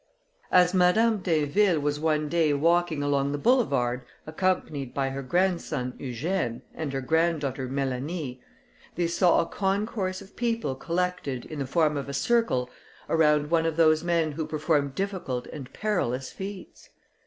As Madame d'Inville was one day walking along the Boulevard, accompanied by her grandson Eugène, and her granddaughter Mélanie, they saw a concourse of people collected, in the form of a circle, around one of those men who perform difficult and perilous feats.